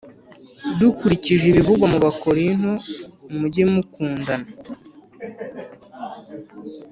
Dukurikije ibivugwa mu Abakorinto mujye mukundana